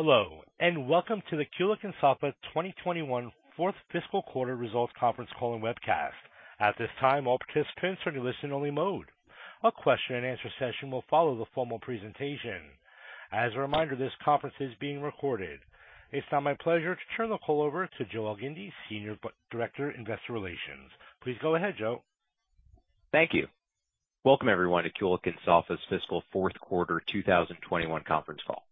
Hello, and welcome to the Kulicke and Soffa 2021 fourth fiscal quarter results conference call and webcast. At this time, all participants are in listen only mode. A question and answer session will follow the formal presentation. As a reminder, this conference is being recorded. It's now my pleasure to turn the call over to Joe Elgindy, Senior Director, Investor Relations. Please go ahead, Joe. Thank you. Welcome everyone to Kulicke & Soffa's fiscal fourth quarter 2021 conference call.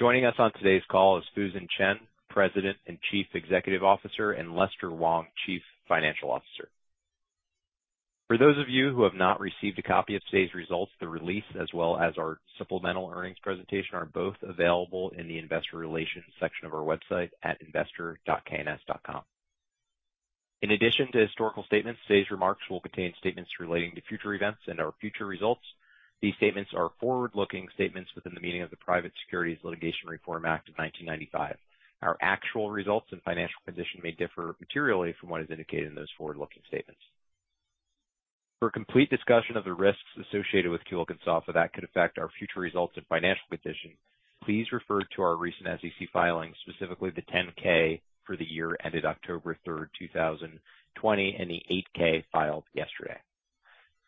Joining us on today's call is Fusen Chen, President and Chief Executive Officer, and Lester Wong, Chief Financial Officer. For those of you who have not received a copy of today's results, the release as well as our supplemental earnings presentation are both available in the investor relations section of our website at investor.kns.com. In addition to historical statements, today's remarks will contain statements relating to future events and our future results. These statements are forward-looking statements within the meaning of the Private Securities Litigation Reform Act of 1995. Our actual results and financial position may differ materially from what is indicated in those forward-looking statements. For a complete discussion of the risks associated with Kulicke & Soffa. That could affect our future results and financial position, please refer to our recent SEC filings, specifically the 10-K for the year ended October 3rd, 2020, and the 8-K filed yesterday.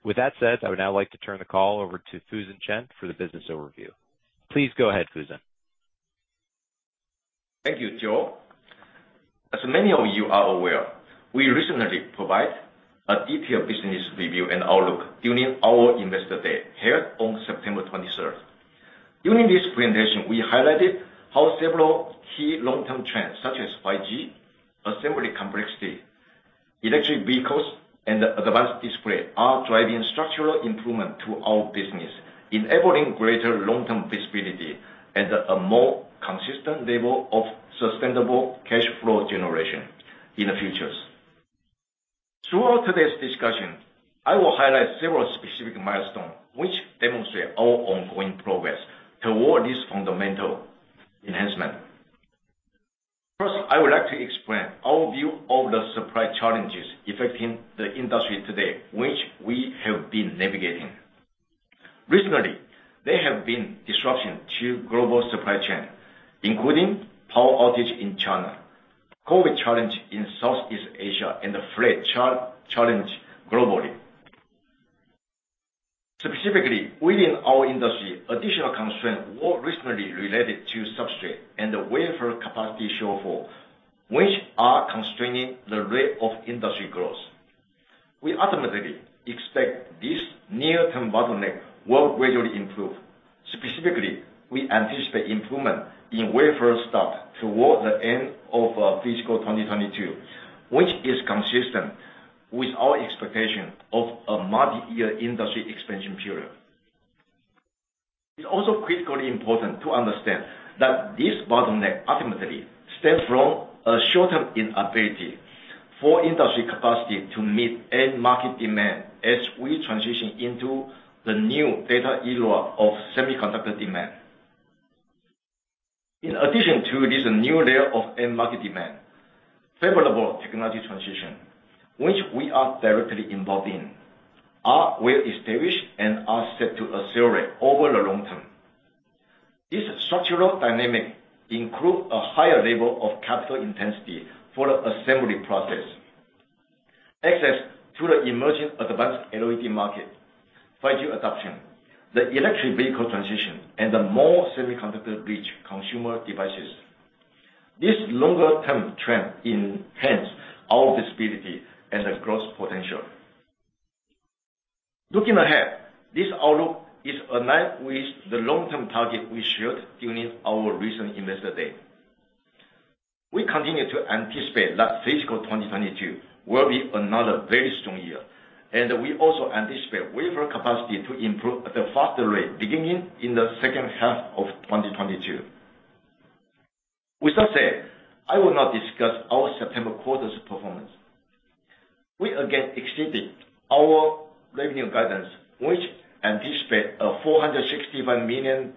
With that said, I would now like to turn the call over to Fusen Chen for the business overview. Please go ahead, Fusen. Thank you, Joe. As many of you are aware, we recently provided a detailed business review and outlook during our Investor Day held on September 23rd. During this presentation, we highlighted how several key long-term trends such as 5G, assembly complexity, electric vehicles, and advanced display are driving structural improvement to our business, enabling greater long-term visibility and a more consistent level of sustainable cash flow generation in the future. Throughout today's discussion, I will highlight several specific milestones which demonstrate our ongoing progress toward this fundamental enhancement. First, I would like to explain our view of the supply challenges affecting the industry today, which we have been navigating. Recently, there have been disruptions to global supply chains, including power outages in China, COVID challenges in Southeast Asia, and the freight challenge globally. Specifically, within our industry, additional constraints were recently related to substrate and the wafer capacity shortfall, which are constraining the rate of industry growth. We ultimately expect this near-term bottleneck will gradually improve. Specifically, we anticipate improvement in wafer start toward the end of fiscal 2022, which is consistent with our expectation of a multi-year industry expansion period. It's also critically important to understand that this bottleneck ultimately stems from a short-term inability for industry capacity to meet end market demand as we transition into the new data era of semiconductor demand. In addition to this new layer of end market demand, favorable technology transition, which we are directly involved in, are well established and are set to accelerate over the long-term. This structural dynamic includes a higher level of capital intensity for the assembly process, access to the emerging advanced LED market, 5G adoption, the electric vehicle transition, and the more semiconductor-rich consumer devices. This longer-term trend enhance our visibility and the growth potential. Looking ahead, this outlook is aligned with the long-term target we shared during our recent Investor Day. We continue to anticipate that fiscal 2022 will be another very strong year, and we also anticipate wafer capacity to improve at a faster rate beginning in the second half of 2022. With that said, I will now discuss our September quarter's performance. We again exceeded our revenue guidance, which anticipate a $461 million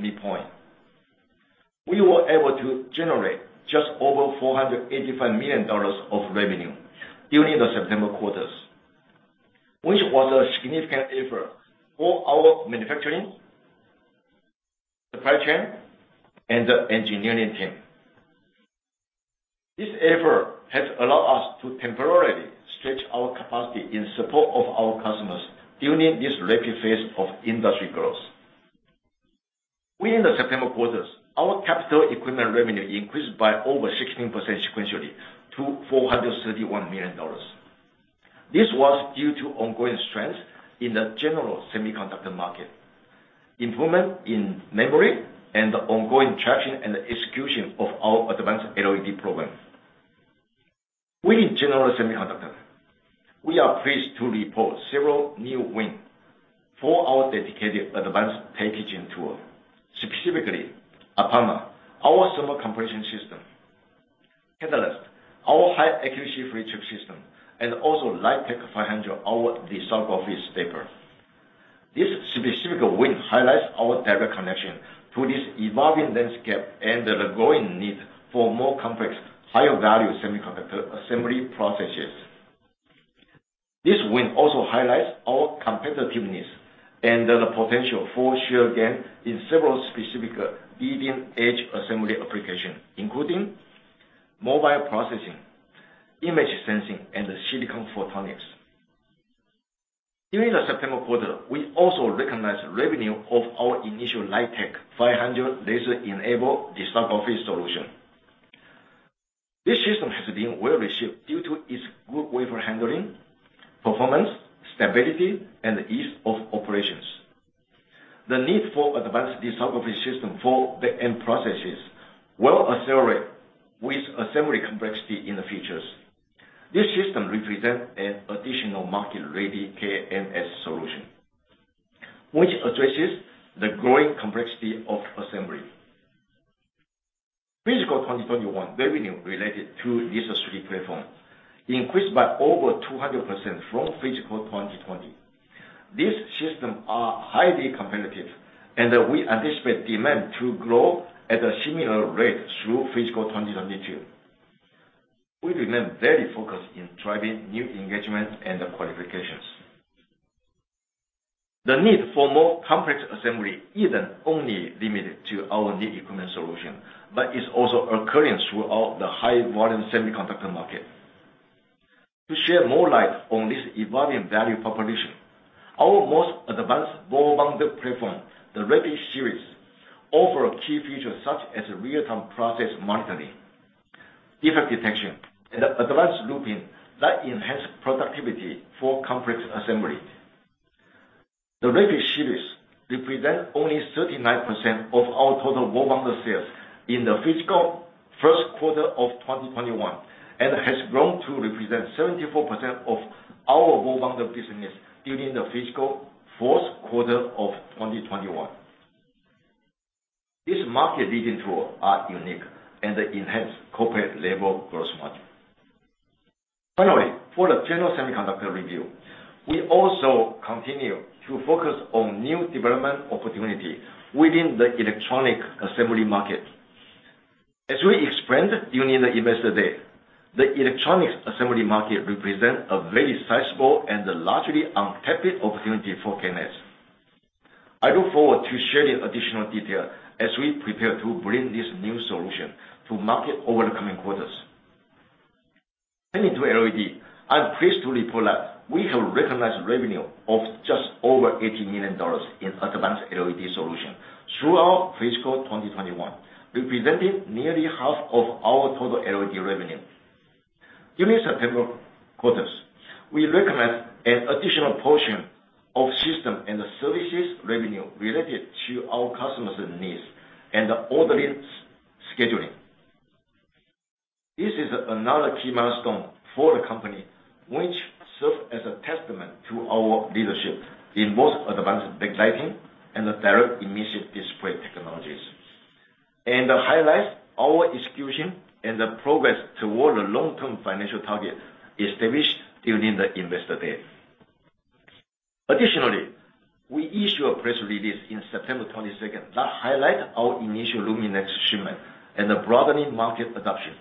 mid-point. We were able to generate just over $485 million of revenue during the September quarters, which was a significant effort for our manufacturing, supply chain, and engineering team. This effort has allowed us to temporarily stretch our capacity in support of our customers during this rapid phase of industry growth. Within the September quarters, our capital equipment revenue increased by over 16% sequentially to $431 million. This was due to ongoing strength in the general semiconductor market, improvement in memory and ongoing traction and execution of our advanced LED program. Within general semiconductor, we are pleased to report several new wins for our dedicated advanced packaging tool, specifically APAMA, our thermal compression system, Katalyst, our high accuracy flip chip system, and also LITEQ 500, our dicing wafer. This specific win highlights our direct connection to this evolving landscape and the growing need for more complex, higher value semiconductor assembly processes. This win also highlights our competitiveness and the potential for share gain in several specific leading-edge assembly applications, including mobile processing, image sensing, and silicon photonics. During the September quarter, we also recognized revenue of our initial LITEQ 500 laser-enabled dicing solution. This system has been well received due to its good wafer handling, performance, stability, and ease of operations. The need for advanced dicing system for back-end processes will accelerate with assembly complexity in the future. This system represents an additional market-ready K&S solution, which addresses the growing complexity of assembly. Fiscal 2021 revenue related to laser-based platform increased by over 200% from fiscal 2020. These systems are highly competitive, and we anticipate demand to grow at a similar rate through fiscal 2022. We remain very focused in driving new engagements and qualifications. The need for more complex assembly isn't only limited to our new equipment solution, but is also occurring throughout the high volume semiconductor market. To shed more light on this evolving value proposition, our most advanced ball bonder platform, the RAPID series, offer key features such as real-time process monitoring, defect detection, and advanced looping that enhance productivity for complex assembly. The RAPID series represent only 39% of our total ball bonder sales in the fiscal first quarter of 2021, and has grown to represent 74% of our ball bonder business during the fiscal fourth quarter of 2021. These market-leading tools are unique and enhance corporate level growth margin. Finally, for the general semiconductor review, we also continue to focus on new development opportunity within the electronic assembly market. As we explained during the Investor Day, the electronics assembly market represent a very sizable and largely untapped opportunity for K&S. I look forward to sharing additional detail as we prepare to bring this new solution to market over the coming quarters. Turning to LED, I'm pleased to report that we have recognized revenue of just over $80 million in advanced LED solution throughout fiscal 2021, representing nearly half of our total LED revenue. During September quarters, we recognized an additional portion of system and services revenue related to our customers' needs and order lead scheduling. This is another key milestone for the company, which serves as a testament to our leadership in most advanced back lighting and direct emission display technologies. Highlights our execution and progress toward the long-term financial target established during the Investor Day. Additionally, we issue a press release in September 22nd that highlight our initial LUMINEX shipment and the broadening market adoption.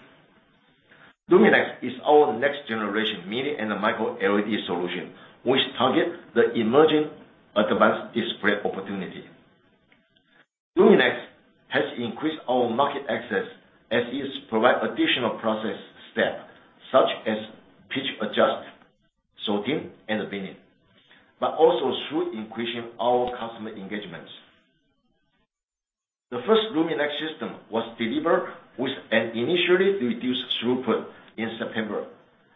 LUMINEX is our next generation mini and micro LED solution, which target the emerging advanced display opportunity. LUMINEX has increased our market access as it provide additional process steps such as pitch adjust, sorting, and binning, but also through increasing our customer engagements. The first LUMINEX system was delivered with an initially reduced throughput in September.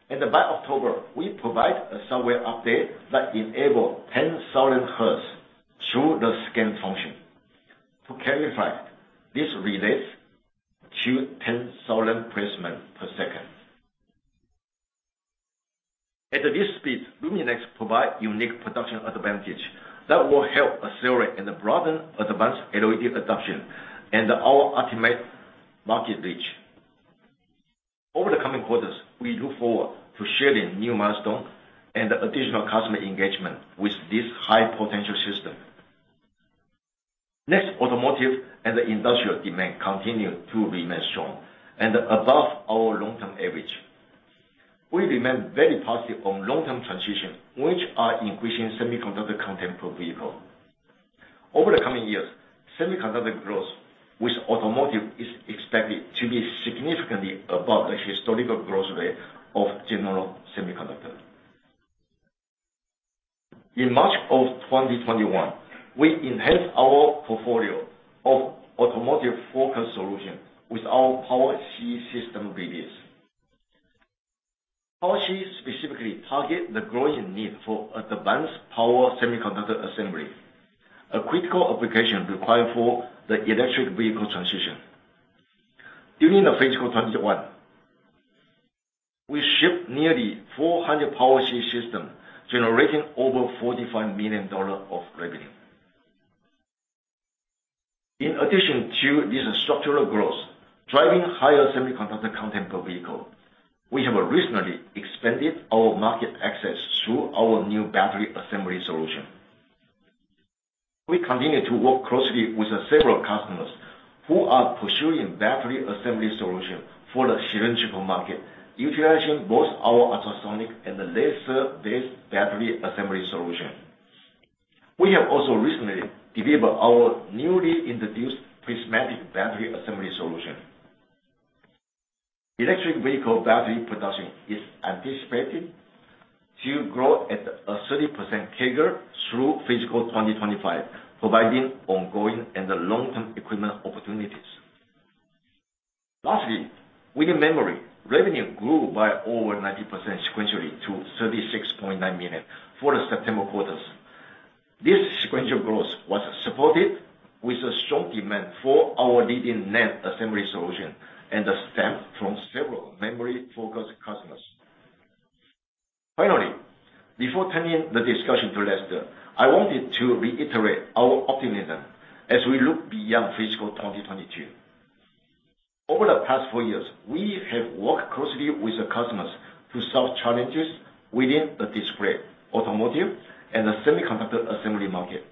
By October, we provide a software update that enable 10,000 Hz through the scan function. To clarify, this relates to 10,000 placements per second. At this speed, LUMINEX provide unique production advantage that will help accelerate and broaden advanced LED adoption and our ultimate market reach. Over the coming quarters, we look forward to sharing new milestones and additional customer engagement with this high potential system. Next, automotive and industrial demand continue to remain strong and above our long-term average. We remain very positive on long-term transition, which are increasing semiconductor content per vehicle. Over the coming years, semiconductor growth with automotive is expected to be significantly above the historical growth rate of general semiconductor. In March of 2021, we enhanced our portfolio of automotive-focused solution with our PowerFusion system release. PowerFusion specifically target the growing need for advanced power semiconductor assembly, a critical application required for the electric vehicle transition. During the fiscal 2021, we shipped nearly 400 PowerFusion system, generating over $45 million of revenue. In addition to this structural growth, driving higher semiconductor content per vehicle, we have recently expanded our market access through our new battery assembly solution. We continue to work closely with several customers who are pursuing battery assembly solution for the cylindrical market, utilizing both our ultrasonic and laser-based battery assembly solution. We have also recently delivered our newly introduced prismatic battery assembly solution. Electric vehicle battery production is anticipated to grow at a 30% CAGR through fiscal 2025, providing ongoing and long-term equipment opportunities. Lastly, within memory, revenue grew by over 90% sequentially to $36.9 million for the September quarters. This sequential growth was supported with a strong demand for our leading NAND assembly solution and the ramp from several memory-focused customers. Finally, before turning the discussion to Lester, I wanted to reiterate our optimism as we look beyond fiscal 2022. Over the past four years, we have worked closely with the customers to solve challenges within the display, automotive, and the semiconductor assembly market.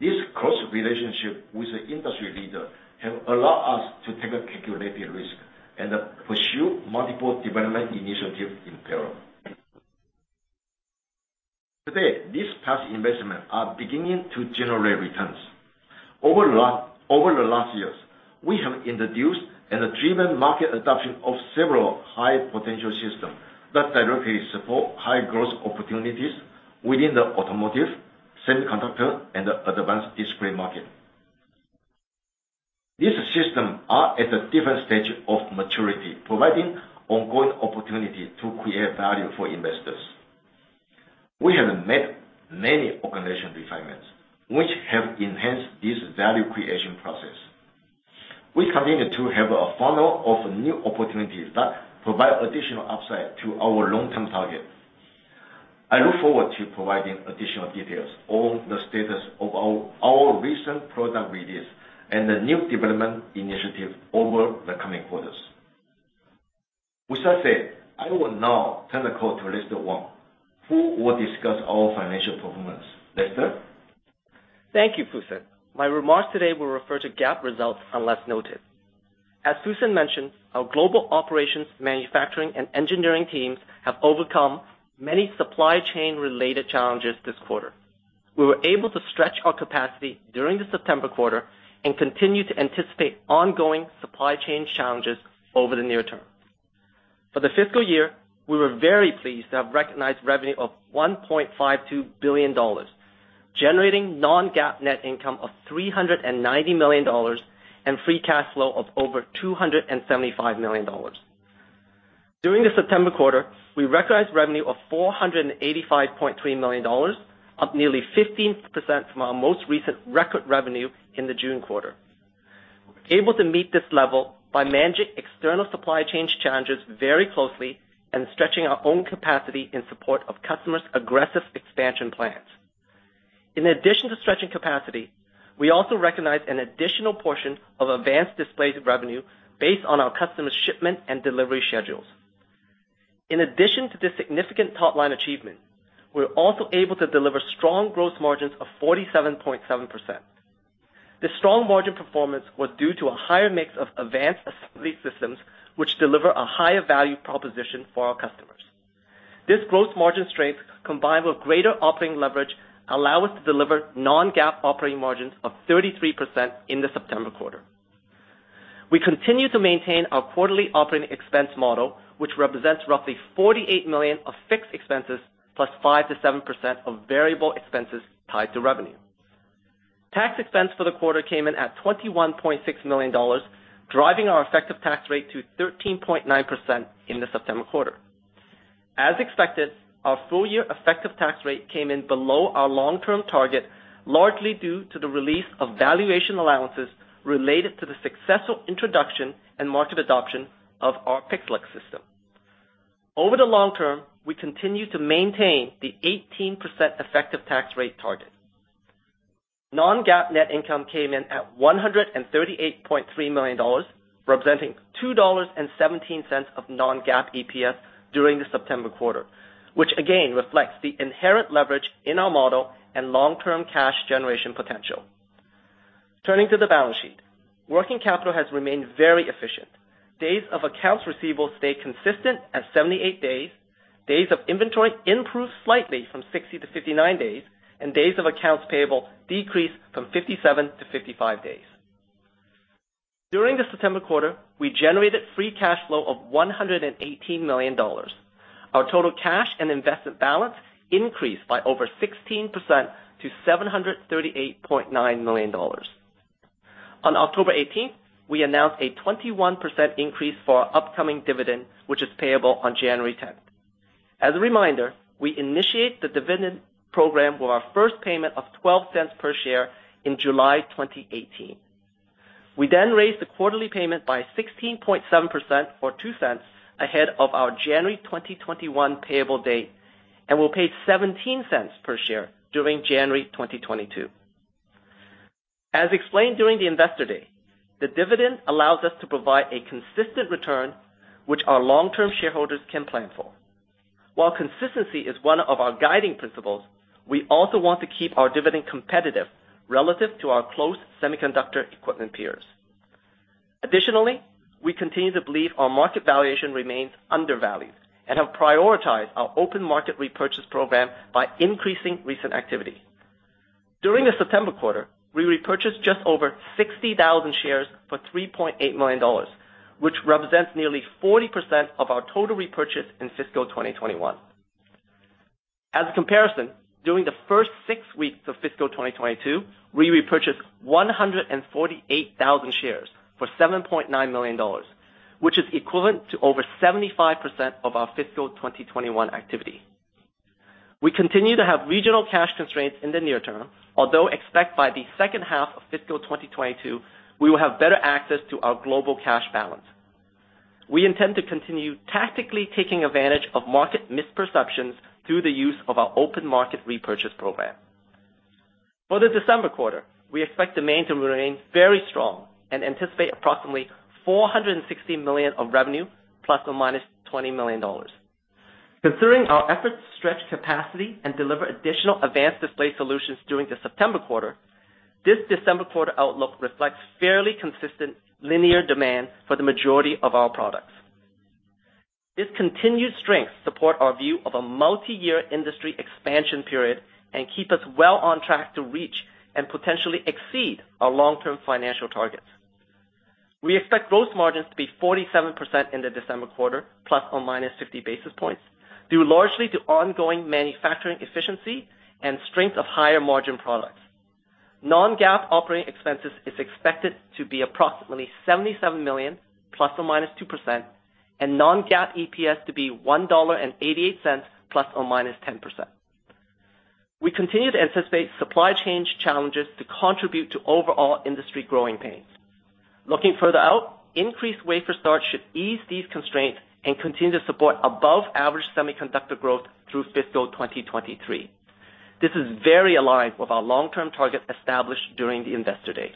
This close relationship with the industry leader have allowed us to take a calculated risk and pursue multiple development initiatives in parallel. Today, these past investments are beginning to generate returns. Over the last years, we have introduced and achieved market adoption of several high potential system that directly support high growth opportunities within the automotive, semiconductor, and advanced display market. These systems are at a different stage of maturity, providing ongoing opportunity to create value for investors. We have made many organizational refinements, which have enhanced this value creation process. We continue to have a funnel of new opportunities that provide additional upside to our long-term target. I look forward to providing additional details on the status of our recent product release and the new development initiative over the coming quarters. With that said, I will now turn the call to Lester Wong, who will discuss our financial performance. Lester? Thank you, Fusen. My remarks today will refer to GAAP results unless noted. As Fusen mentioned, our global operations, manufacturing, and engineering teams have overcome many supply chain related challenges this quarter. We were able to stretch our capacity during the September quarter and continue to anticipate ongoing supply chain challenges over the near-term. For the fiscal year, we were very pleased to have recognized revenue of $1.52 billion, generating non-GAAP net income of $390 million and free cash flow of over $275 million. During the September quarter, we recognized revenue of $485.3 million, up nearly 15% from our most recent record revenue in the June quarter. We're able to meet this level by managing external supply chain challenges very closely and stretching our own capacity in support of customers' aggressive expansion plans. In addition to stretching capacity, we also recognize an additional portion of advanced displays revenue based on our customers' shipment and delivery schedules. In addition to the significant top-line achievement, we're also able to deliver strong gross margins of 47.7%. This strong margin performance was due to a higher mix of advanced assembly systems, which deliver a higher value proposition for our customers. This gross margin strength, combined with greater operating leverage, allow us to deliver non-GAAP operating margins of 33% in the September quarter. We continue to maintain our quarterly operating expense model, which represents roughly $48 million of fixed expenses, plus 5%-7% of variable expenses tied to revenue. Tax expense for the quarter came in at $21.6 million, driving our effective tax rate to 13.9% in the September quarter. As expected, our full-year effective tax rate came in below our long-term target, largely due to the release of valuation allowances related to the successful introduction and market adoption of our PIXALUX system. Over the long-term, we continue to maintain the 18% effective tax rate target. Non-GAAP net income came in at $138.3 million, representing $2.17 of non-GAAP EPS during the September quarter, which again reflects the inherent leverage in our model and long-term cash generation potential. Turning to the balance sheet. Working capital has remained very efficient. Days of accounts receivable stay consistent at 78 days. Days of inventory improved slightly from 60 days to 59 days, and days of accounts payable decreased from 57 days to 55 days. During the September quarter, we generated free cash flow of $118 million. Our total cash and investment balance increased by over 16% to $738.9 million. On October 18th, we announced a 21% increase for our upcoming dividend, which is payable on January 10th. As a reminder, we initiate the dividend program with our first payment of $0.12 per share in July 2018. We then raised the quarterly payment by 16.7% or $0.02 ahead of our January 2021 payable date, and we'll pay $0.17 per share during January 2022. As explained during the Investor Day, the dividend allows us to provide a consistent return, which our long-term shareholders can plan for. While consistency is one of our guiding principles, we also want to keep our dividend competitive relative to our close semiconductor equipment peers. Additionally, we continue to believe our market valuation remains undervalued and have prioritized our open market repurchase program by increasing recent activity. During the September quarter, we repurchased just over 60,000 shares for $3.8 million, which represents nearly 40% of our total repurchase in fiscal 2021. As a comparison, during the first six weeks of fiscal 2022, we repurchased 148,000 shares for $7.9 million, which is equivalent to over 75% of our fiscal 2021 activity. We continue to have regional cash constraints in the near-term, although we expect by the second half of fiscal 2022, we will have better access to our global cash balance. We intend to continue tactically taking advantage of market misperceptions through the use of our open market repurchase program. For the December quarter, we expect demand to remain very strong and anticipate approximately $460 million of revenue, ± $20 million. Considering our efforts to stretch capacity and deliver additional advanced display solutions during the September quarter, this December quarter outlook reflects fairly consistent linear demand for the majority of our products. This continued strength support our view of a multi-year industry expansion period and keep us well on track to reach and potentially exceed our long-term financial targets. We expect gross margins to be 47% in the December quarter, ± 50 basis points, due largely to ongoing manufacturing efficiency and strength of higher margin products. Non-GAAP operating expenses is expected to be approximately $77 million, ±2%, and non-GAAP EPS to be $1.88, ±10%. We continue to anticipate supply chain challenges to contribute to overall industry growing pains. Looking further out, increased wafer starts should ease these constraints and continue to support above average semiconductor growth through fiscal 2023. This is very aligned with our long-term target established during the Investor Day.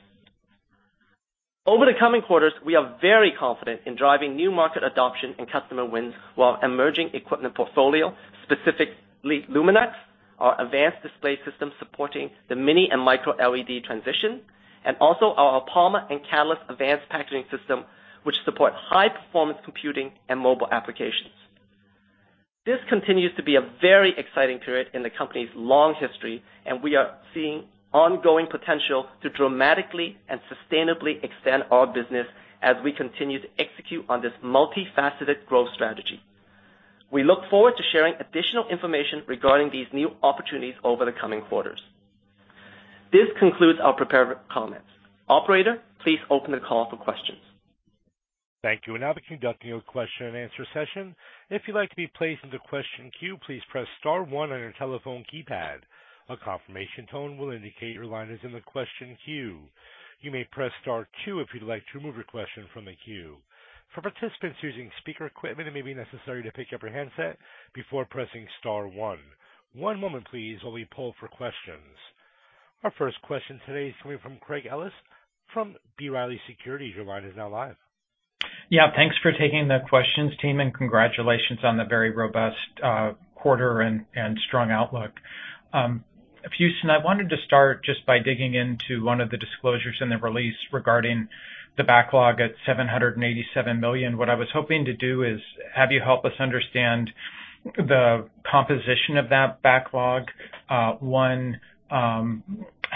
Over the coming quarters, we are very confident in driving new market adoption and customer wins while emerging equipment portfolio, specifically LUMINEX, our advanced display system supporting the mini LED and micro LED transition, and also our APAMA and Katalyst advanced packaging system, which support high performance computing and mobile applications. This continues to be a very exciting period in the company's long history, and we are seeing ongoing potential to dramatically and sustainably extend our business as we continue to execute on this multifaceted growth strategy. We look forward to sharing additional information regarding these new opportunities over the coming quarters. This concludes our prepared comments. Operator, please open the call for questions. Thank you. We're now conducting a question and answer session. If you'd like to be placed into question queue, please press star one on your telephone keypad. A confirmation tone will indicate your line is in the question queue. You may press star two if you'd like to remove your question from the queue. For participants using speaker equipment, it may be necessary to pick up your handset before pressing star one. One moment please while we poll for questions. Our first question today is coming from Craig Ellis from B. Riley Securities. Your line is now live. Yeah. Thanks for taking the questions, team, and congratulations on the very robust quarter and strong outlook. Fusen, I wanted to start just by digging into one of the disclosures in the release regarding the backlog at $787 million. What I was hoping to do is have you help us understand the composition of that backlog. One,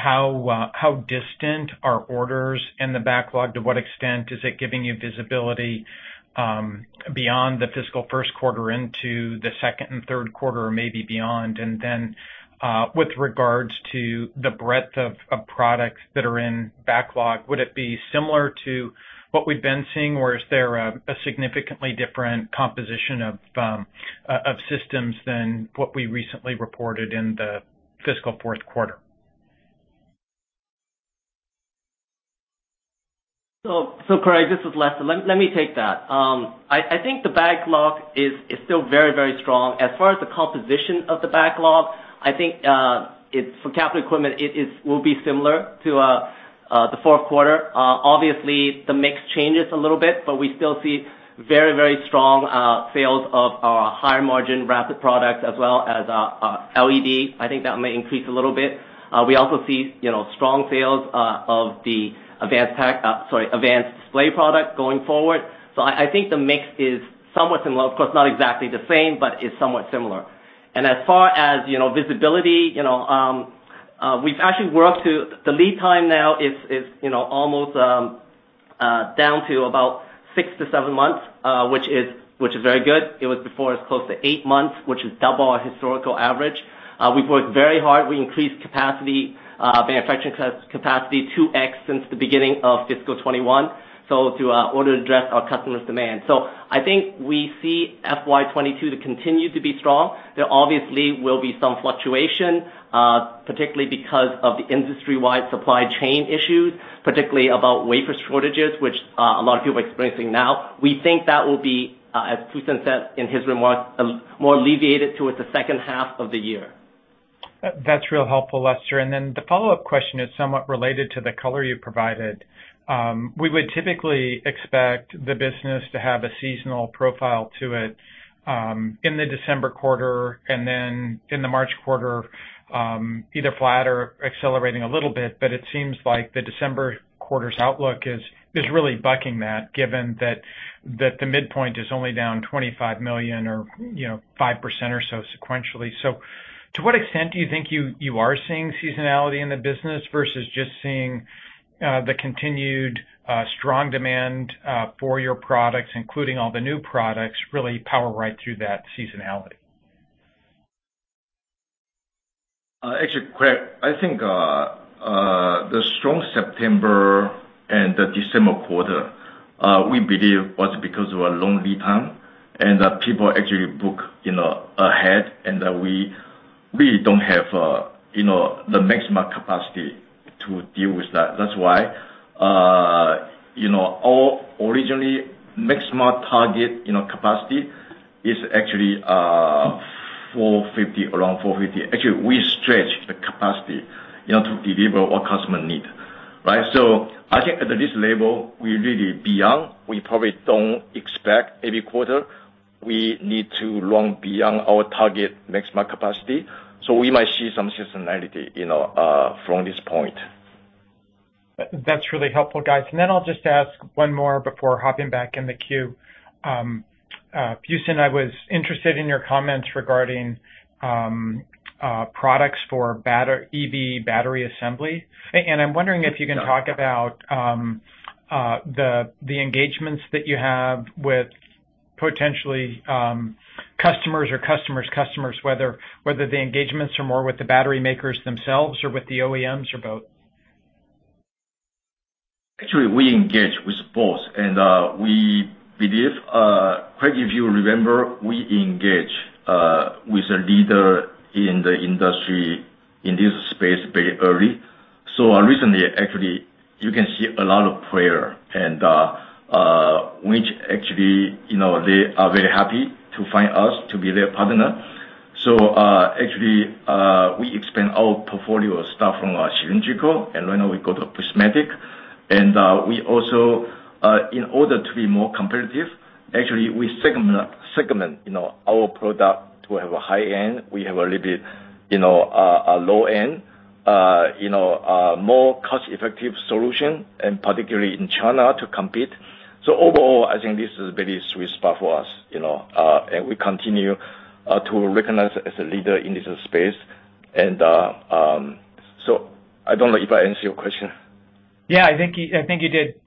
how distant are orders in the backlog? To what extent is it giving you visibility beyond the fiscal first quarter into the second and third quarter or maybe beyond? And then, with regards to the breadth of products that are in backlog, would it be similar to what we've been seeing, or is there a significantly different composition of systems than what we recently reported in the fiscal fourth quarter? Craig, this is Lester. Let me take that. I think the backlog is still very strong. As far as the composition of the backlog, I think it's for capital equipment, it will be similar to the fourth quarter. Obviously the mix changes a little bit, but we still see very strong sales of our higher margin RAPID products as well as LED. I think that may increase a little bit. We also see, you know, strong sales of the advanced pack. Sorry, advanced display product going forward. I think the mix is somewhat similar. Of course, not exactly the same, but it is somewhat similar. As far as, you know, visibility, you know, we've actually we're up to. The lead time now is, you know, almost down to about six to seven months, which is very good. It was before as close to eight months, which is double our historical average. We've worked very hard. We increased capacity, manufacturing capacity 2x since the beginning of fiscal 2021, in order to address our customers' demand. I think we see FY 2022 to continue to be strong. There obviously will be some fluctuation, particularly because of the industry-wide supply chain issues, particularly about wafer shortages, which a lot of people are experiencing now. We think that will be as Fusen said in his remarks, more alleviated towards the second half of the year. That's real helpful, Lester. The follow-up question is somewhat related to the color you provided. We would typically expect the business to have a seasonal profile to it in the December quarter and then in the March quarter either flat or accelerating a little bit. It seems like the December quarter's outlook is really bucking that, given that the midpoint is only down $25 million or, you know, 5% or so sequentially. To what extent do you think you are seeing seasonality in the business versus just seeing the continued strong demand for your products, including all the new products, really power right through that seasonality? Actually, Craig, I think the strong September and the December quarter we believe was because of a long lead time and that people actually book, you know, ahead, and that we really don't have the maximum capacity to deal with that. That's why all originally maximum target capacity is actually 450, around 450. Actually, we stretch the capacity, you know, to deliver what customer need, right? I think at this level, we really beyond. We probably don't expect every quarter we need to run beyond our target maximum capacity, so we might see some seasonality, you know, from this point. That's really helpful, guys. I'll just ask one more before hopping back in the queue. Fusen, I was interested in your comments regarding products for EV battery assembly. I'm wondering if you can talk about the engagements that you have with potentially customers or customers' customers, whether the engagements are more with the battery makers themselves or with the OEMs or both. Actually, we engage with both. We believe, Craig, if you remember, we engage with a leader in the industry in this space very early. Recently, actually, you can see a lot of players, which actually, you know, they are very happy to find us to be their partner. Actually, we expand our portfolio starting from cylindrical, and then we go to prismatic. We also, in order to be more competitive, actually, we segment, you know, our product to have a high-end. We have a little bit, you know, a low-end, you know, a more cost-effective solution, and particularly in China to compete. Overall, I think this is a very sweet spot for us, you know, and we continue to be recognized as a leader in this space. I don't know if I answer your question. Yeah, I think you did,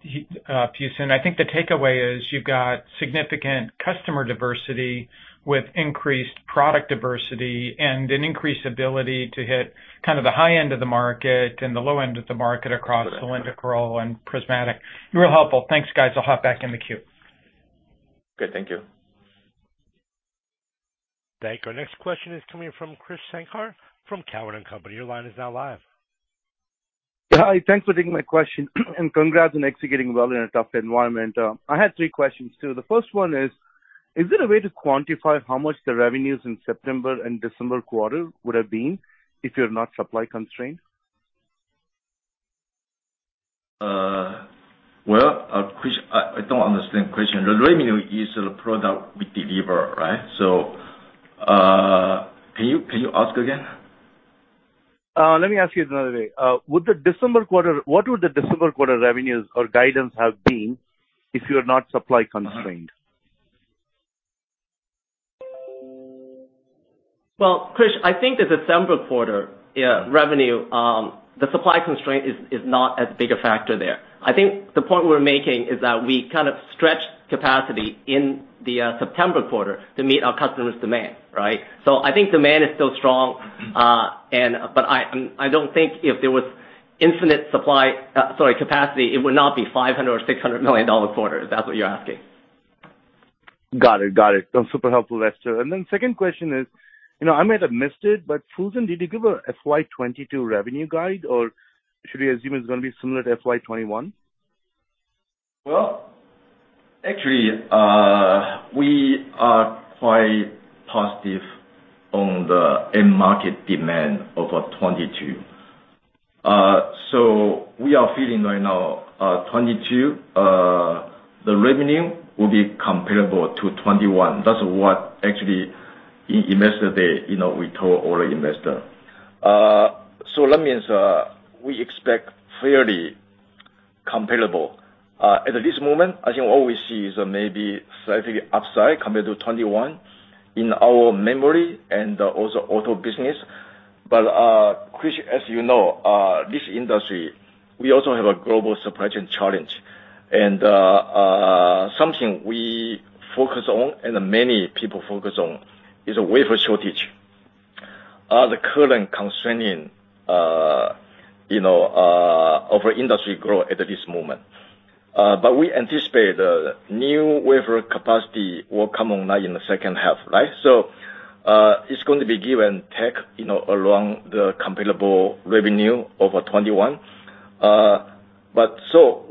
Fusen. I think the takeaway is you've got significant customer diversity with increased product diversity and an increased ability to hit kind of the high-end of the market and the low-end of the market across cylindrical and prismatic. Really helpful. Thanks, guys. I'll hop back in the queue. Good. Thank you. Thank you. Our next question is coming from Krish Sankar from Cowen and Company. Your line is now live. Hi. Thanks for taking my question, and congrats on executing well in a tough environment. I had three questions, too. The first one is there a way to quantify how much the revenues in September and December quarter would have been if you're not supply constrained? Krish, I don't understand question. The revenue is a product we deliver, right? Can you ask again? Let me ask you another way. What would the December quarter revenues or guidance have been if you're not supply constrained? Well, Kris, I think the December quarter, yeah, revenue, the supply constraint is not as big a factor there. I think the point we're making is that we kind of stretched capacity in the September quarter to meet our customers' demand, right? I think demand is still strong. I don't think if there was infinite capacity, it would not be $500 million or $600 million quarter, if that's what you're asking. Got it. That's super helpful, Lester. Second question is, you know, I might have missed it, but Fusen, did you give a FY 2022 revenue guide, or should we assume it's gonna be similar to FY 2021? Well, actually, we are quite positive on the end market demand over 2022. We are feeling right now, 2022, the revenue will be comparable to 2021. That's what actually Investor Day, you know, we told our investors. That means, we expect fairly comparable. At this moment, I think what we see is maybe slight upside compared to 2021 in our memory and also auto business. Krish, as you know, this industry, we also have a global supply chain challenge. Something we focus on and many people focus on is a wafer shortage, the current constraining of our industry growth at this moment. We anticipate new wafer capacity will come online in the second half, right? It's going to be, you know, along the comparable revenue over 2021.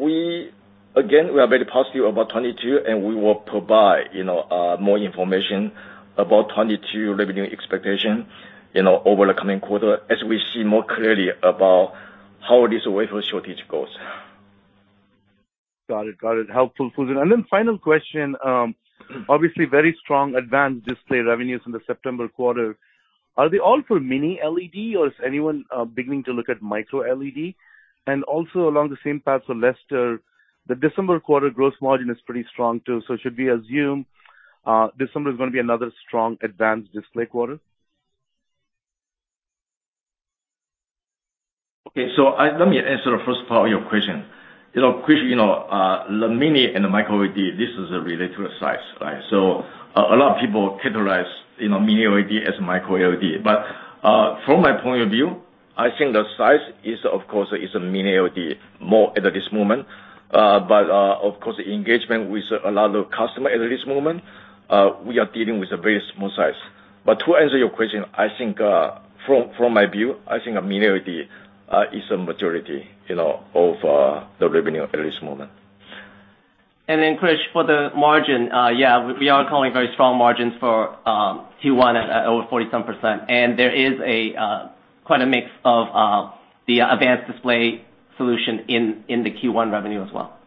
We are very positive about 2022, and we will provide, you know, more information about 2022 revenue expectation, you know, over the coming quarter as we see more clearly about how this wafer shortage goes. Got it. Helpful, Fusen. Final question. Obviously very strong advanced display revenues in the September quarter. Are they all for mini LED or is anyone beginning to look at micro LED? Also along the same path for Lester, the December quarter gross margin is pretty strong too. Should we assume December is gonna be another strong advanced display quarter? Let me answer the first part of your question. You know, Krish, you know, the mini and the micro LED, this is related to the size, right? A lot of people categorize, you know, mini LED as micro LED. From my point of view, I think the size is of course a mini LED more at this moment. Of course, the engagement with a lot of customer at this moment, we are dealing with a very small size. To answer your question, I think from my view, I think a mini LED is a majority, you know, of the revenue at this moment. Krish, for the margin, yeah, we are calling very strong margins for Q1 at over 40-something percent, and there is quite a mix of the advanced display solution in the Q1 revenue as well.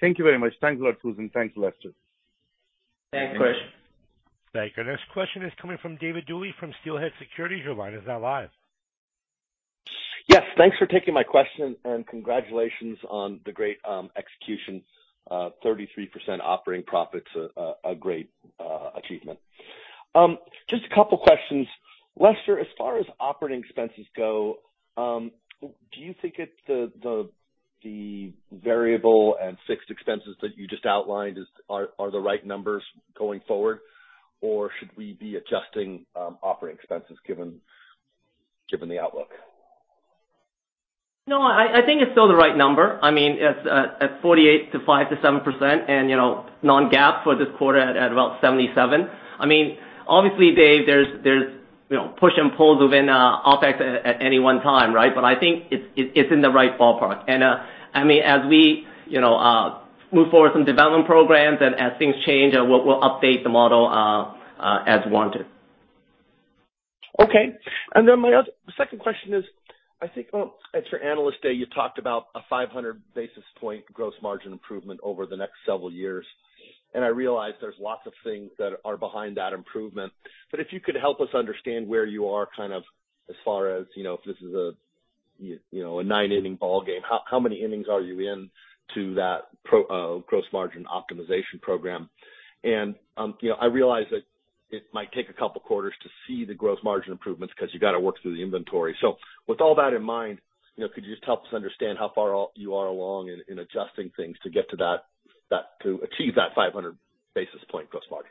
Thank you very much. Thanks a lot, Fusen. Thanks, Lester. Thanks, Krish. Thank you. Next question is coming from David Duley from Steelhead Securities. Your line is now live. Yes, thanks for taking my question, and congratulations on the great execution. 33% operating profit's a great achievement. Just a couple questions. Lester, as far as operating expenses go, do you think it's the variable and fixed expenses that you just outlined are the right numbers going forward? Or should we be adjusting operating expenses given the outlook? No, I think it's still the right number. I mean, it's at 48%-57% and, you know, non-GAAP for this quarter at about $0.77. I mean, obviously, Dave, there's push and pulls within OpEx at any one time, right? But I think it's in the right ballpark. I mean, as we, you know, move forward some development programs and as things change, we'll update the model as warranted. Okay. Then my other second question is, I think, well, at your Analyst Day, you talked about a 500 basis point gross margin improvement over the next several years. I realize there's lots of things that are behind that improvement, but if you could help us understand where you are kind of, as far as, you know, if this is a you know, a nine-inning ballgame, how many innings are you in to that gross margin optimization program? You know, I realize that it might take a couple quarters to see the gross margin improvements 'cause you gotta work through the inventory. With all that in mind, you know, could you just help us understand how far you are along in adjusting things to get to that to achieve that 500 basis point gross margin?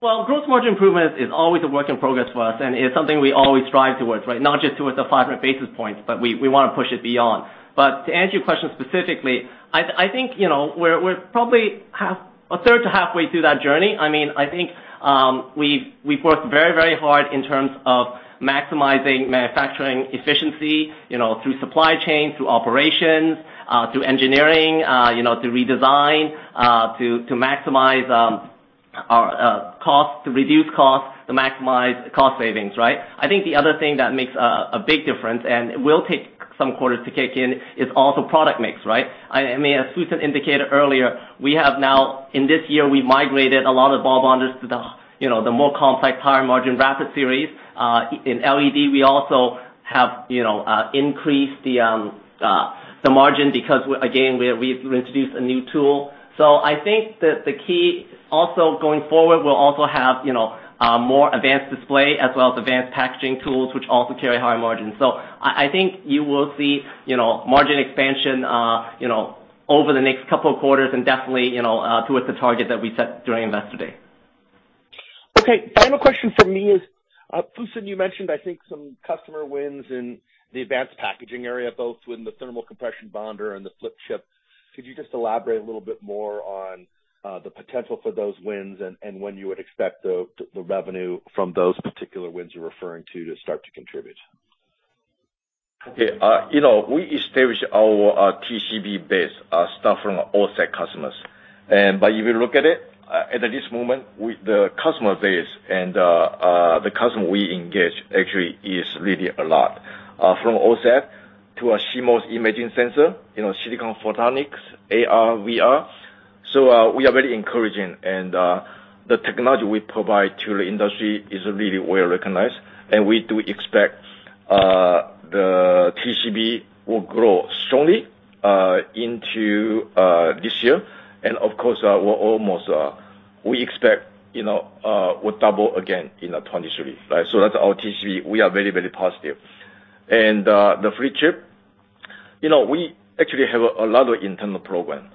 Well, gross margin improvement is always a work in progress for us, and it's something we always strive towards, right? Not just towards the 500 basis points, but we wanna push it beyond. To answer your question specifically, I think, you know, we're probably a third to halfway through that journey. I mean, I think, we've worked very hard in terms of maximizing manufacturing efficiency, you know, through supply chain, through operations, through engineering, you know, through redesign, to maximize our cost, to reduce costs, to maximize cost savings, right? I think the other thing that makes a big difference, and it will take some quarters to kick in, is also product mix, right? I mean, as Fusen indicated earlier, we have now... In this year we migrated a lot of bonders to the, you know, the more complex higher margin RAPID Series. In LED, we also have, you know, increased the margin because we've introduced a new tool. I think that the key also going forward, we'll also have, you know, more advanced display as well as advanced packaging tools, which also carry higher margins. I think you will see, you know, margin expansion, you know, over the next couple of quarters and definitely, you know, towards the target that we set during Investor Day. Okay. Final question from me is, Fusen, you mentioned, I think, some customer wins in the advanced packaging area, both with the thermo-compression bonder and the flip chip. Could you just elaborate a little bit more on the potential for those wins and when you would expect the revenue from those particular wins you're referring to to start to contribute? Yeah. You know, we established our TCB base starting from OSAT customers. If you look at it at this moment with the customer base and the customer we engage actually is really a lot from OSAT to a CMOS image sensor, you know, silicon photonics, AR/VR. We are very encouraging and the technology we provide to the industry is really well-recognized. We do expect the TCB will grow strongly into this year. Of course, we expect, you know, we'll double again in 2023, right? That's our TCB. We are very, very positive. The flip chip, you know, we actually have a lot of internal program.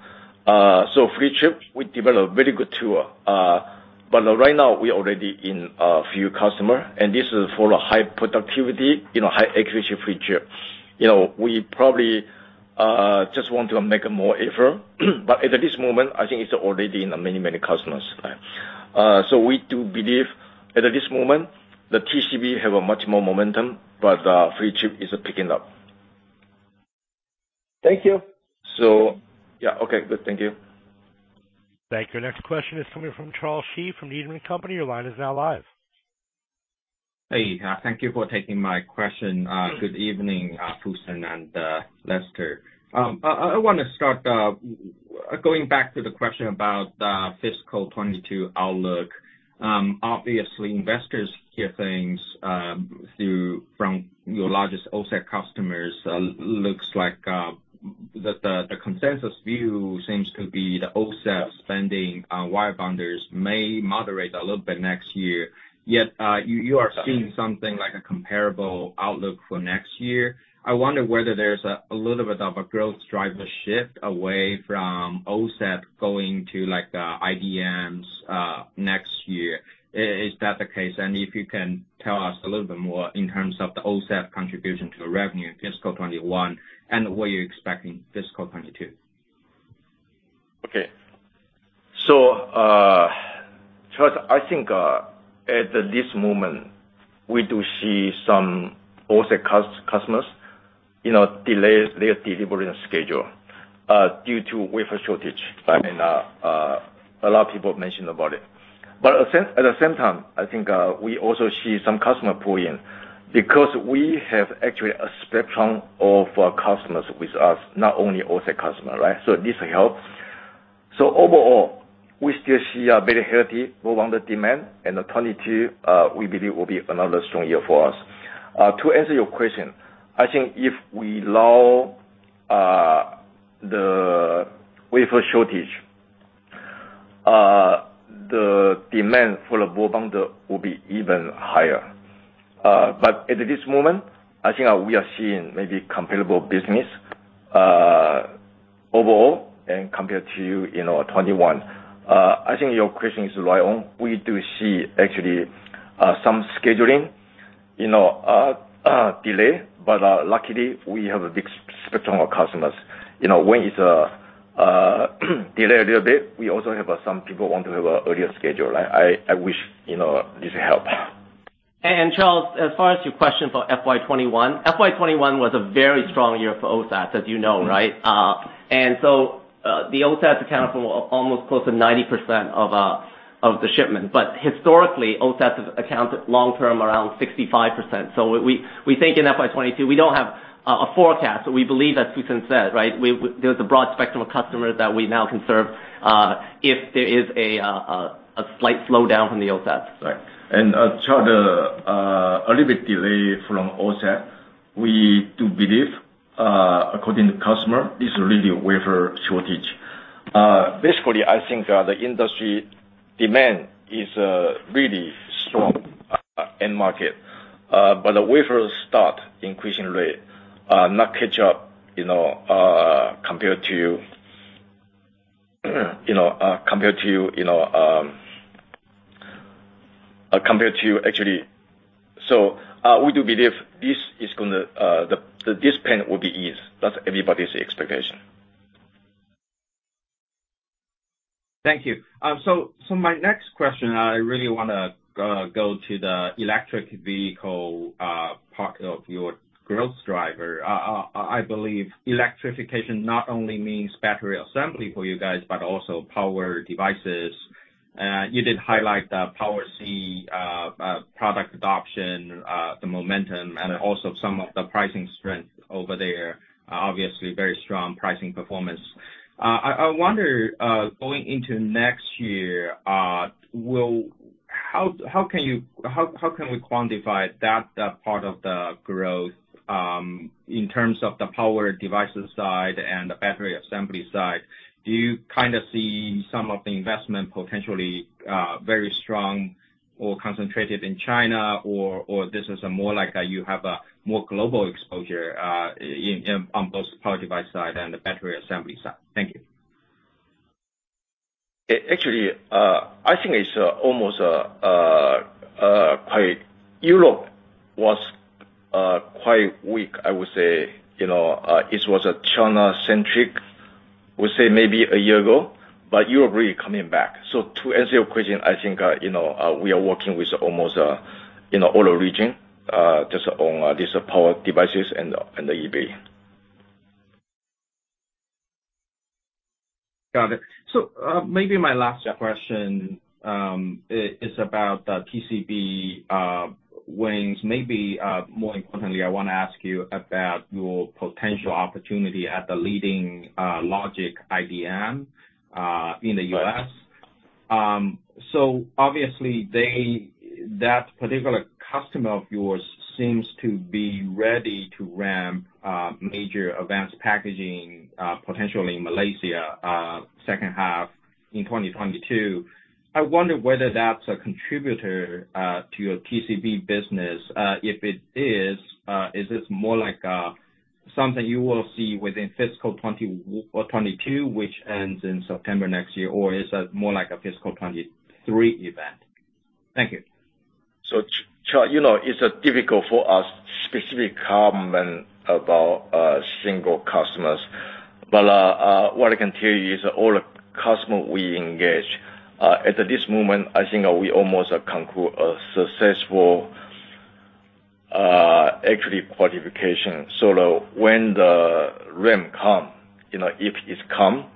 Flip chip we develop very good tool. Right now we already in a few customers, and this is for a high productivity, you know, high accuracy flip chip. You know, we probably just want to make more effort, but at this moment, I think it's already in many, many customers. We do believe at this moment the TCB has much more momentum, but flip chip is picking up. Thank you. Yeah. Okay, good. Thank you. Thank you. Next question is coming from Charles Shi from Needham & Company. Your line is now live. Hey, thank you for taking my question. Good evening, Fusen and Lester. I want to start going back to the question about fiscal 2022 outlook. Obviously, investors hear things through from your largest OSAT customers. Looks like the consensus view seems to be the OSAT spending on wirebonders may moderate a little bit next year. Yet, you are seeing something like a comparable outlook for next year. I wonder whether there's a little bit of a growth driver shift away from OSAT going to like IDMs next year. Is that the case? If you can tell us a little bit more in terms of the OSAT contribution to the revenue in fiscal 2021, and what you're expecting fiscal 2022. Okay, Charles, I think at this moment, we do see some OSAT customers, you know, delays their delivery schedule due to wafer shortage. I mean, a lot of people mentioned about it. But at the same time, I think we also see some customer pull in because we have actually a spectrum of customers with us, not only OSAT customer, right? This helps. Overall, we still see a very healthy move on the demand, and 2022, we believe will be another strong year for us. To answer your question, I think if we allow for the wafer shortage, the demand for the wire bonder will be even higher. But at this moment, I think we are seeing maybe comparable business, overall and compared to, you know, 2021. I think your question is right on. We do see actually some scheduling, you know, delay, but luckily, we have a big spectrum of customers. You know, when it's delay a little bit, we also have some people want to have an earlier schedule. I wish, you know, this help. Charles, as far as your question for FY 2021, FY 2021 was a very strong year for OSAT, as you know, right? The OSAT account for almost close to 90% of the shipment. Historically, OSAT has accounted long-term around 65%. We think in FY 2022, we don't have a forecast. We believe, as Fusen said, right, there's a broad spectrum of customers that we now can serve, if there is a slight slowdown from the OSATs. Right. Charles, a little bit delay from OSAT, we do believe, according to customer, this is really a wafer shortage. Basically, I think, the industry demand is really strong in market. But the wafer start increasing rate not catch up, you know, compared to actually. We do believe this is gonna, the discipline will be eased. That's everybody's expectation. Thank you. My next question, I really wanna go to the electric vehicle part of your growth driver. I believe electrification not only means battery assembly for you guys, but also power devices. You did highlight the POWER-C product adoption, the momentum, and also some of the pricing strength over there. Obviously, very strong pricing performance. I wonder, going into next year, how can we quantify that part of the growth in terms of the power devices side and the battery assembly side? Do you kinda see some of the investment potentially very strong or concentrated in China or this is more like you have a more global exposure in on both power device side and the battery assembly side? Thank you. Actually, Europe was quite weak, I would say. You know, it was a China-centric, we say maybe a year ago, but Europe really coming back. To answer your question, I think, you know, we are working with almost, you know, all the region, just on these power devices and the EV. Got it. Maybe my last question is about the TCB wins. More importantly, I wanna ask you about your potential opportunity at the leading logic IDM in The U.S. Obviously, that particular customer of yours seems to be ready to ramp major advanced packaging, potentially in Malaysia, second half in 2022. I wonder whether that's a contributor to your TCB business. If it is this more like something you will see within fiscal 2022, which ends in September next year? Or is it more like a fiscal 2023 event? Thank you. Charles, you know, it's difficult for us specific comment about single customers. What I can tell you is all the customer we engage at this moment, I think we almost conclude a successful actually qualification. When the RAM come, you know, if it come,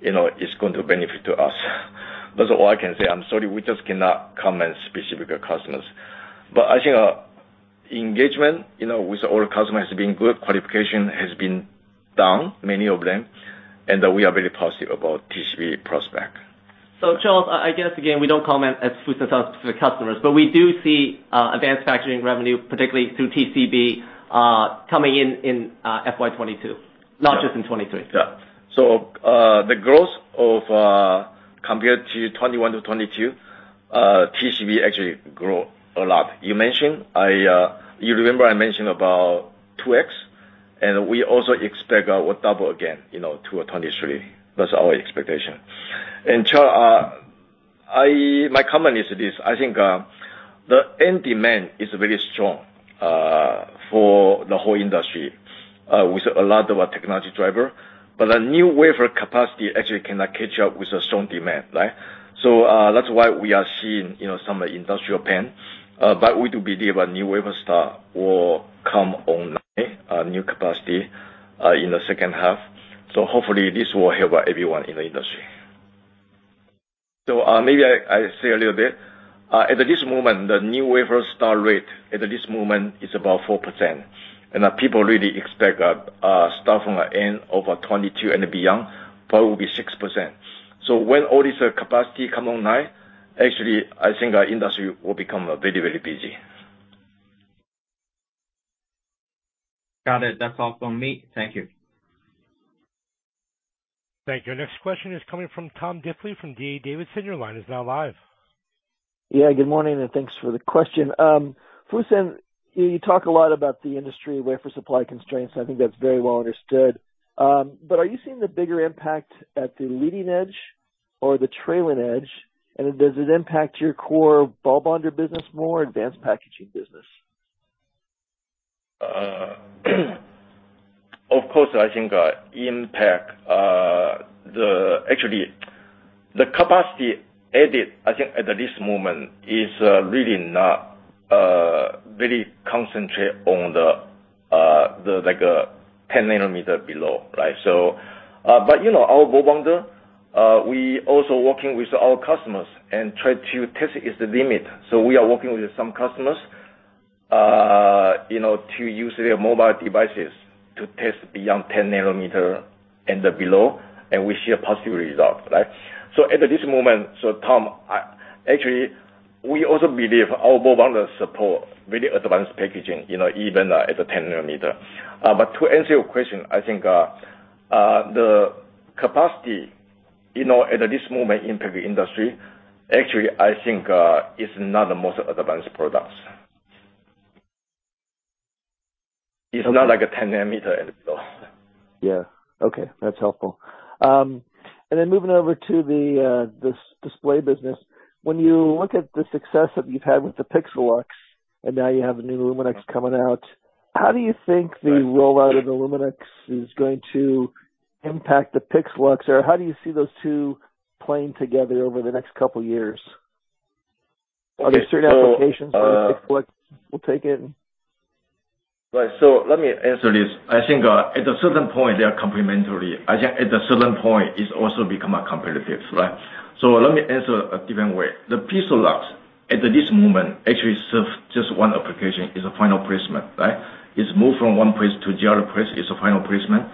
you know, it's going to benefit to us. That's all I can say. I'm sorry, we just cannot comment specific customers. I think engagement you know with all customers has been good. Qualification has been done, many of them, and we are very positive about TCB prospect. Charles, I guess again, we don't comment as specific customers, but we do see advanced packaging revenue, particularly through TCB, coming in FY 2022, not just in 2023. Yeah, the growth of, compared to 2021-2022, TCB actually grow a lot. You remember I mentioned about 2x, and we also expect we'll double again, you know, to 2023. That's our expectation. Charles, my comment is this: I think the end demand is very strong for the whole industry with a lot of our technology driver. But the new wafer capacity actually cannot catch up with the strong demand, right? That's why we are seeing, you know, some industrial pain. We do believe a new wafer start will come online, new capacity in the second half. Hopefully this will help everyone in the industry. Maybe I say a little bit. At this moment, the new wafer start rate at this moment is about 4%. People really expect start from the end of 2022 and beyond, probably will be 6%. When all these capacity come online, actually, I think our industry will become very, very busy. Got it. That's all from me. Thank you. Thank you. Next question is coming from Tom Diffely from D.A. Davidson. Your line is now live. Yeah, good morning, and thanks for the question. Fusen, you talk a lot about the industry wafer supply constraints. I think that's very well understood. Are you seeing the bigger impact at the leading edge or the trailing edge? Does it impact your core ball bonder business more, advanced packaging business? Actually, the capacity added, I think, at this moment is really not very concentrated on the like 10 nm below, right? You know, our ball bonder, we also working with our customers and try to test its limit. We are working with some customers, you know, to use their mobile devices to test beyond 10 nm and below, and we see a positive result, right? At this moment, Tom, actually, we also believe our ball bonder support very advanced packaging, you know, even at the 10 nm. To answer your question, I think the capacity, you know, at this moment in the industry, actually, I think, is not the most advanced products. It's not like a 10 nm and so. Yeah. Okay. That's helpful. Then moving over to the display business. When you look at the success that you've had with the PIXALUX, and now you have the new LUMINEX coming out, how do you think the rollout of the LUMINEX is going to impact the PIXALUX? Or how do you see those two playing together over the next couple years? Are there certain applications that PIXALUX will take in? Right. Let me answer this. I think at a certain point, they are complementary. I think at a certain point, it's also become competitive, right? Let me answer a different way. The PIXALUX, at this moment, actually serves just one application, is a final placement, right? It's moved from one place to the other place. It's a final placement.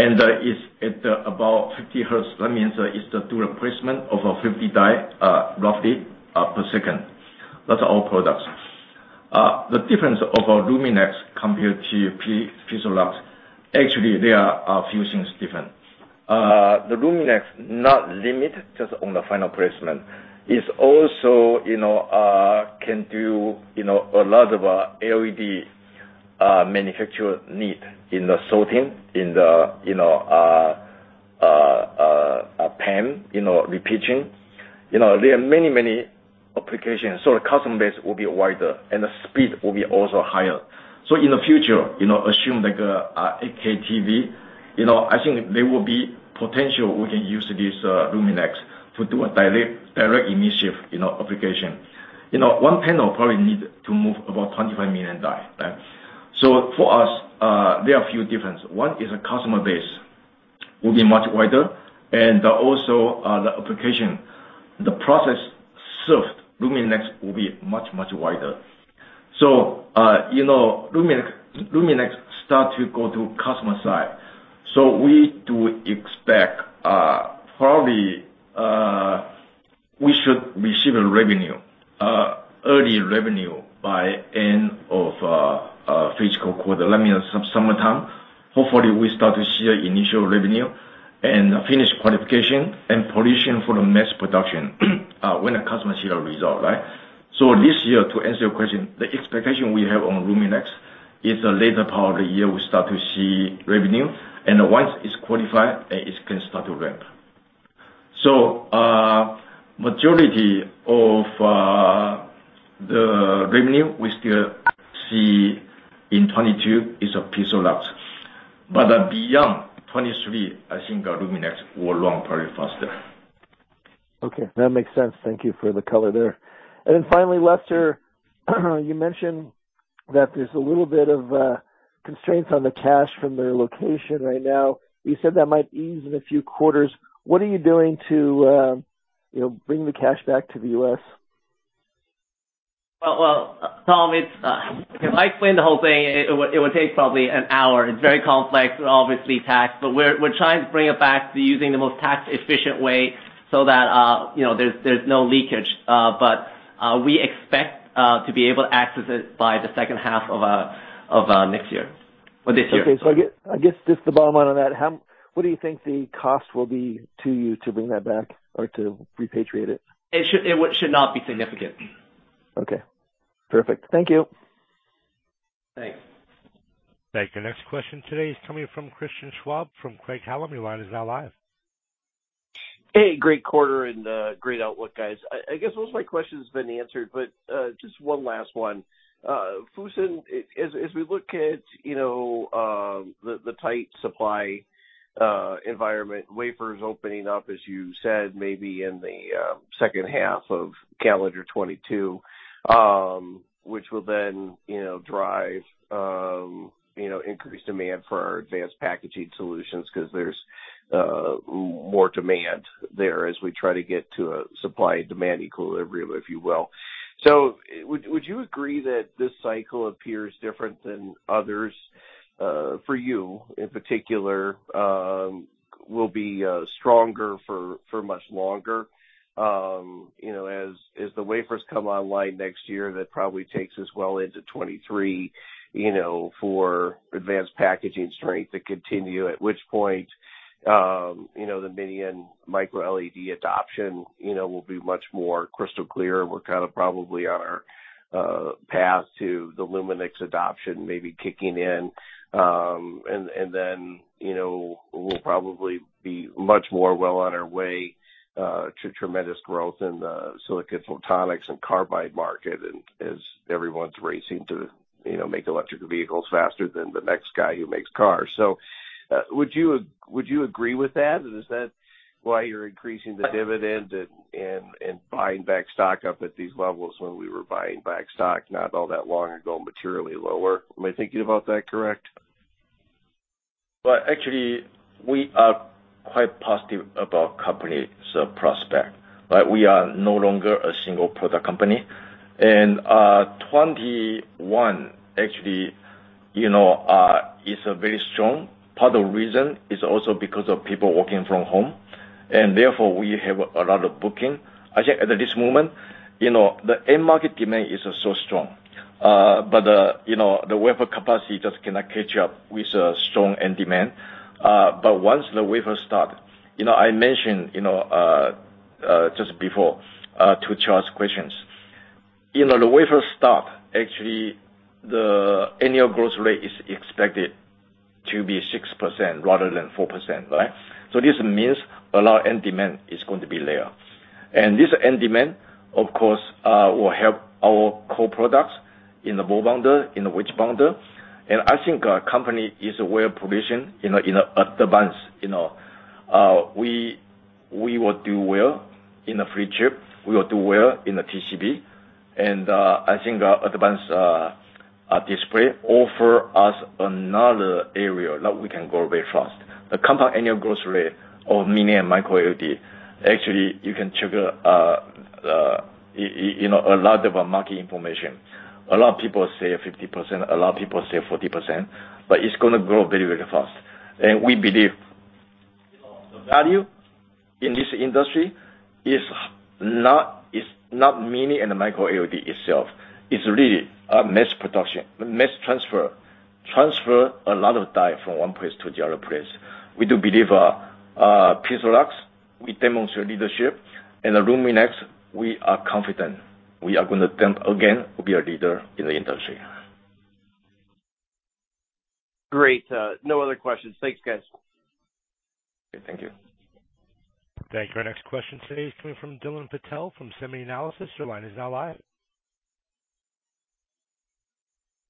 It's at about 50 Hz. That means it's doing a placement of a 50 die, roughly, per second. That's our products. The difference of our LUMINEX compared to PIXALUX, actually, there are a few things different. The LUMINEX is not limited just on the final placement. It's also, you know, can do, you know, a lot of LED manufacture need in the sorting, in the, you know, PAN, you know, repeating. You know, there are many, many applications. The customer base will be wider, and the speed will be also higher. In the future, you know, assume like, 8K TV, you know, I think there will be potential we can use this, LUMINEX to do a direct integration, you know, application. You know, one panel probably need to move about 25 million die. Right? For us, there are few difference. One is the customer base will be much wider and also, the application. The processes served, LUMINEX will be much, much wider. You know, LUMINEX start to go to customer side. We do expect, probably, we should receive revenue, early revenue by end of, fiscal quarter. Some summertime, hopefully, we start to see initial revenue and finish qualification and production for the mass production, when the customer see the result, right? To answer your question, the expectation we have on LUMINEX is the later part of the year we start to see revenue, and once it's qualified, it can start to ramp. Majority of the revenue we still see in 2022 is of PIXALUX. But beyond 2023, I think our LUMINEX will run probably faster. Okay, that makes sense. Thank you for the color there. Finally, Lester, you mentioned that there's a little bit of constraints on the cash from the location right now. You said that might ease in a few quarters. What are you doing to, you know, bring the cash back to The U.S.? Well, Tom, it's if I explain the whole thing, it would take probably an hour. It's very complex, obviously tax. We're trying to bring it back to using the most tax efficient way so that, you know, there's no leakage. We expect to be able to access it by the second half of next year or this year. Okay. I get, I guess, just the bottom line on that. What do you think the cost will be to you to bring that back or to repatriate it? It should not be significant. Okay, perfect. Thank you. Thanks. Thank you. Next question today is coming from Christian Schwab, from Craig-Hallum. Your line is now live. Hey, great quarter and, great outlook, guys. I guess most of my questions have been answered, but, just one last one. Fusen, as we look at, you know, the tight supply environment, wafers opening up, as you said, maybe in the second half of calendar 2022, which will then, you know, drive, you know, increased demand for our advanced packaging solutions because there's more demand there as we try to get to a supply and demand equilibrium, if you will. Would you agree that this cycle appears different than others for you in particular, will be stronger for much longer? You know, as the wafers come online next year, that probably takes us well into 2023, you know, for advanced packaging strength to continue. At which point, you know, the mini LED and micro LED adoption, you know, will be much more crystal clear. We're kind of probably on our path to the LUMINEX adoption maybe kicking in. And then, you know, we'll probably be much more well on our way to tremendous growth in the silicon photonics and silicon carbide market. As everyone's racing to, you know, make electric vehicles faster than the next guy who makes cars. Would you agree with that? Is that why you're increasing the dividend and buying back stock up at these levels when we were buying back stock not all that long ago, materially lower? Am I thinking about that correct? Well, actually, we are quite positive about the company's prospects, right? We are no longer a single product company. 2021 actually, you know, is a very strong year. Part of the reason is also because of people working from home, and therefore, we have a lot of bookings. I think at this moment, you know, the end market demand is so strong. But, you know, the wafer capacity just cannot catch up with strong end demand. But once the wafer starts, you know, I mentioned just before to Charles's questions. You know, the wafer starts, actually the annual growth rate is expected to be 6% rather than 4%, right? So this means a lot of end demand is going to be there. This end demand of course will help our core products in the bonder, in the wedge bonder. I think our company is well-positioned, you know, in advance, you know. We will do well in the flip chip. We will do well in the TCB. I think our advanced display offers us another area that we can grow very fast. The compound annual growth rate of mini and micro LED. Actually, you can trigger a lot of market information. A lot of people say 50%, a lot of people say 40%, but it's gonna grow very, very fast. We believe the value in this industry is not mini and the micro LED itself. It's really a mass production, mass transfer. Transfer a lot of die from one place to the other place. We do believe, PIXALUX, we demonstrate leadership. In the LUMINEX, we are confident we are gonna attempt again to be a leader in the industry. Great. No other questions. Thanks, guys. Thank you. Thank you. Our next question today is coming from Dylan Patel from SemiAnalysis. Your line is now live.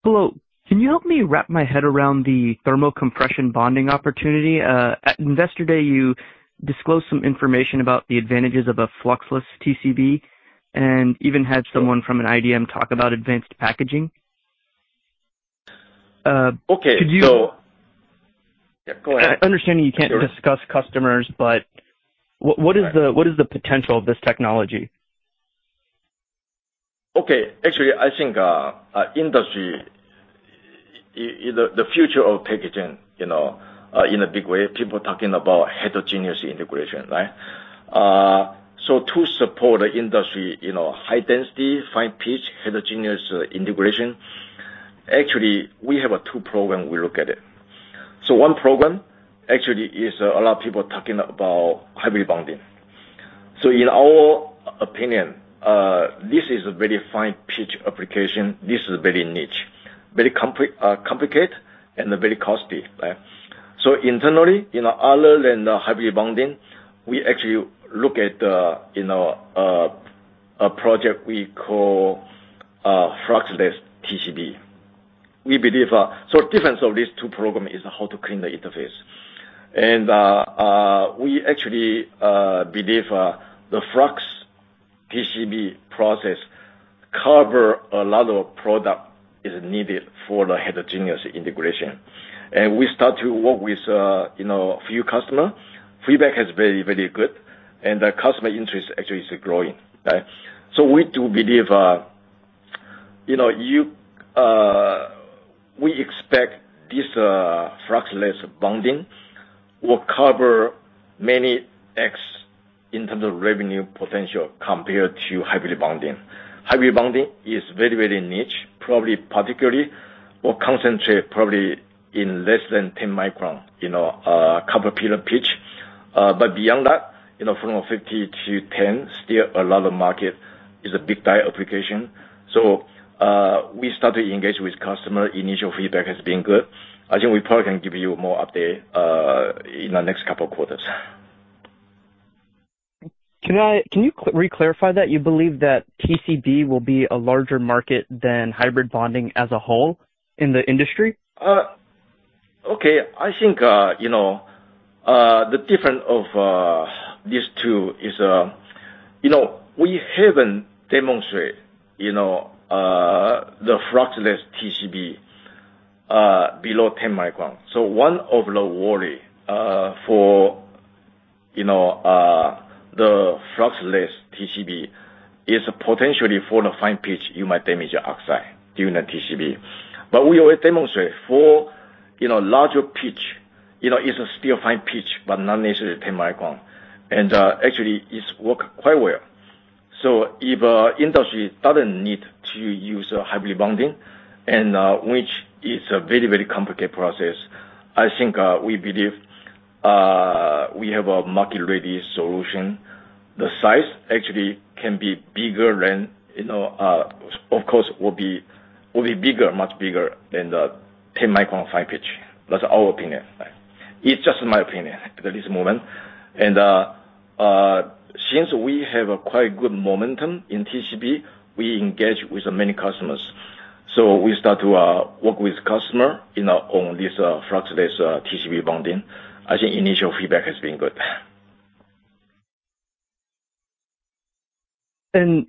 Hello. Can you help me wrap my head around the thermo-compression bonding opportunity? At investor day you disclosed some information about the advantages of a fluxless TCB and even had someone from an IDM talk about advanced packaging. Could you- Okay. Could you- Yeah, go ahead. I understand you can't discuss customers, but what is the potential of this technology? Okay. Actually, I think the future of packaging, you know, in a big way, people are talking about heterogeneous integration, right? To support the industry, you know, high density, fine pitch, heterogeneous integration. Actually, we have two programs we look at it. One program actually is a lot of people talking about hybrid bonding. In our opinion, this is a very fine pitch application. This is very niche, very complicated and very costly. Internally, you know, other than the hybrid bonding, we actually look at, you know, a project we call Fluxless TCB. We believe. The difference of these two programs is how to clean the interface. We actually believe the Fluxless TCB process cover a lot of product is needed for the heterogeneous integration. We start to work with, you know, a few customers. Feedback is very, very good, and the customer interest actually is growing. We do believe, you know, we expect this fluxless bonding will cover many times in terms of revenue potential compared to hybrid bonding. Hybrid bonding is very, very niche, probably particularly concentrated in less than 10-micron copper pillar pitch. But beyond that, you know, from 50 to 10, still a lot of market is a big die application. We start to engage with customers. Initial feedback has been good. I think we probably can give you more update in the next couple of quarters. Can you re-clarify that? You believe that TCB will be a larger market than hybrid bonding as a whole in the industry? I think, you know, the difference of these two is, you know, we haven't demonstrate, you know, the Fluxless TCB below 10 microns. One of the worry for, you know, the Fluxless TCB is potentially for the fine pitch, you might damage your oxide during the TCB. We will demonstrate for, you know, larger pitch, you know, it's still fine pitch, but not necessarily 10 micron. Actually it's worked quite well. If industry doesn't need to use a hybrid bonding, which is a very, very complicated process, I think, we believe, we have a market-ready solution. The size actually can be bigger than, you know, of course, will be bigger, much bigger than the 10-micron fine pitch. That's our opinion. It's just my opinion at this moment. Since we have quite good momentum in TCB, we engage with many customers. We start to work with customer, you know, on this fluxless TCB bonding. I think initial feedback has been good.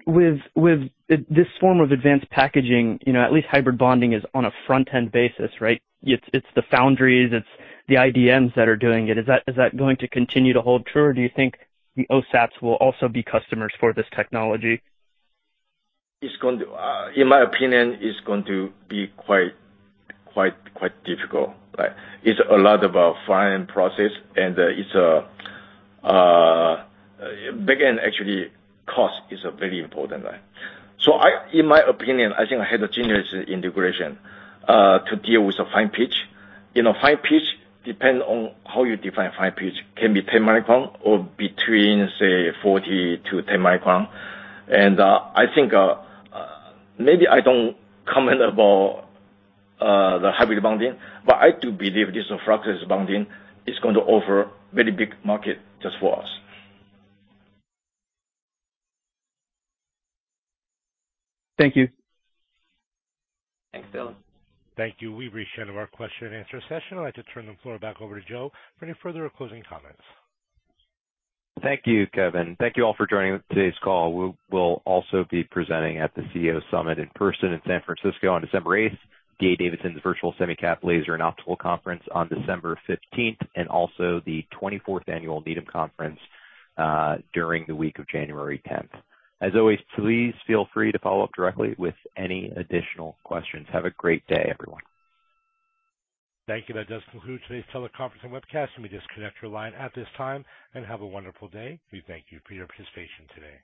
With this form of advanced packaging, you know, at least hybrid bonding is on a front end basis, right? It's the foundries, it's the IDMs that are doing it. Is that going to continue to hold true, or do you think the OSATs will also be customers for this technology? In my opinion, it's going to be quite difficult, right? It's a lot of fine process, and it's a, again, actually, cost is a very important. I, in my opinion, I think a heterogeneous integration to deal with the fine pitch. You know, fine pitch, depend on how you define fine pitch, can be 10 micron or between, say, 40 micron-10 micron. I think, maybe I don't comment about the hybrid bonding, but I do believe this fluxless bonding is going to offer very big market just for us. Thank you. Thanks, Dylan. Thank you. We've reached the end of our question and answer session. I'd like to turn the floor back over to Joe for any further or closing comments. Thank you, Kevin. Thank you all for joining today's call. We will also be presenting at the CEO Summit in person in San Francisco on December 8th, D.A. Davidson's Virtual SemiCap, Laser and Optical Conference on December 15th, and also the 24th Annual Needham Conference during the week of January 10th. As always, please feel free to follow up directly with any additional questions. Have a great day, everyone. Thank you. That does conclude today's teleconference and webcast. Let me disconnect your line at this time, and have a wonderful day. We thank you for your participation today.